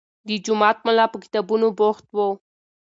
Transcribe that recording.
د جومات ملا په کتابونو بوخت و.